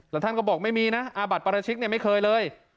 แล้วท่านก็บอกไม่มีนะอาบัติปราชิกเนี่ยไม่เคยเลย